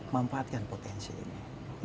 mempatikan potensi ini